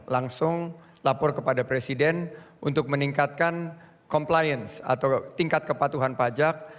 langsung lapor kepada presiden untuk meningkatkan compliance atau tingkat kepatuhan pajak